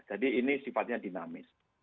jadi ini sifatnya dinamis